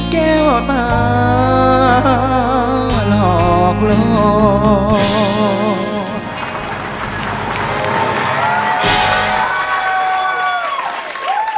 แก้วตาหลอกล่อ